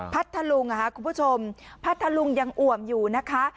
พัทธลุงคุณผู้ชมพัทธลุงยังอ่วมอยู่นะคะ